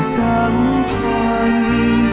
สัมพันธ์